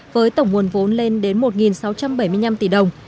với tổng nguồn vốn lên đến một sáu trăm bảy mươi năm tỷ đồng